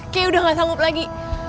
kayaknya udah gak sanggup lagi